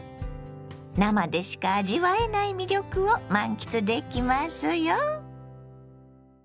生でしか味わえない魅力を満喫できますよ。